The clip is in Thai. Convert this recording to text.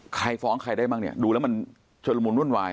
ใครฟ้องใครได้บ้างเนี่ยดูแล้วมันเฉลิมวุ่นว่าย